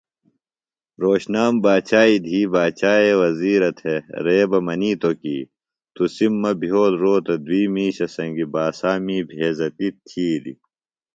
رھوشنام باچائی دھی باچاے وزِیرہ تھےۡ رے بہ منِیتوۡ کیۡ ”تُسِم مہ بھیول روتہ دُئیۡ مِیشہ سنگیۡ باسا می بھیزتیۡ تِھیلیۡ